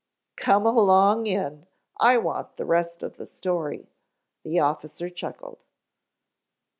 "Come along in I want the rest of the story," the officer chuckled.